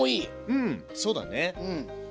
うんそうだね。